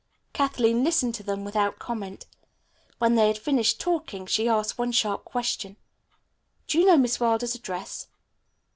Kathleen listened to them without comment. When they had finished talking she asked one sharp question, "Do you know Miss Wilder's address?"